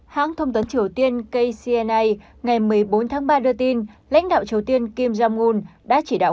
hãng thông tấn triều tiên kcna ngày một mươi bốn tháng ba đưa tin lãnh đạo triều tiên kim jong un đã chỉ đạo